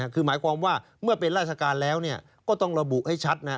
คือหมายความว่าเมื่อเป็นราชการแล้วก็ต้องระบุให้ชัดนะ